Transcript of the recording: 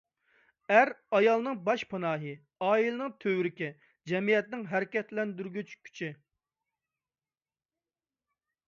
ئەر – ئايالنىڭ باشپاناھى، ئائىلىنىڭ تۈۋرۈكى، جەمئىيەتنىڭ ھەرىكەتلەندۈرگۈچ كۈچى.